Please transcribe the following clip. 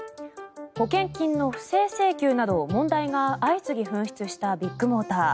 保険金の不正請求など問題が相次ぎ噴出したビッグモーター。